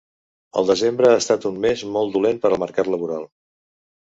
El desembre ha estat un mes molt dolent per al mercat laboral.